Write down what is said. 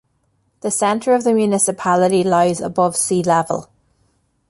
The center of the municipality lies above sea level.